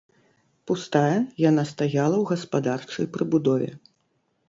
Пустая, яна стаяла ў гаспадарчай прыбудове.